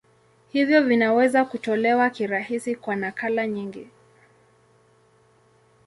Hivyo vinaweza kutolewa kirahisi kwa nakala nyingi.